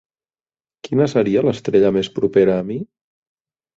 Quina seria l'estrella més propera a mi?